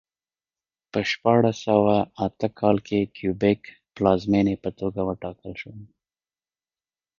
په شپاړس سوه اته کال کې کیوبک پلازمېنې په توګه وټاکله.